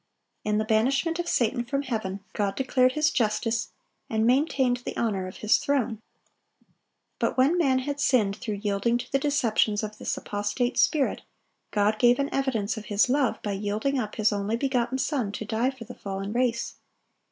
(883) In the banishment of Satan from heaven, God declared His justice, and maintained the honor of His throne. But when man had sinned through yielding to the deceptions of this apostate spirit, God gave an evidence of His love by yielding up His only begotten Son to die for the fallen race.